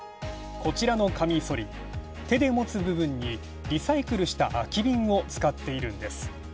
こちらのカミソリ、手で持つ部分にリサイクルした空き瓶を使っているんです。